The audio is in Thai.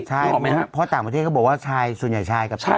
ใช่เพราะต่างประเทศเขาบอกว่าชายส่วนใหญ่ชายกับชาย